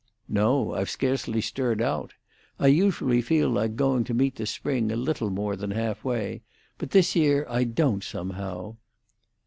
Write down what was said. "No, I've scarcely stirred out. I usually feel like going to meet the spring a little more than half way; but this year I don't, somehow."